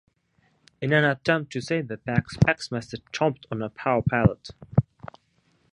In an attempt to save the Pacs, Pac-Master chomped on a power pellet.